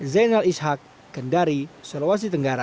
zainal ishak kendari sulawesi tenggara